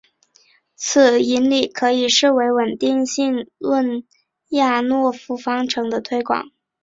此引理可以视为是稳定性理论李亚普诺夫方程的推广。